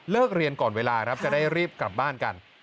เรียนก่อนเวลาครับจะได้รีบกลับบ้านกัน